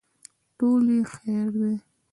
ټول يې هېر دي.